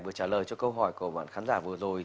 vừa trả lời cho câu hỏi của bạn khán giả vừa rồi